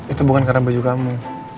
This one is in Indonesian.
itu bukan karena baju kamu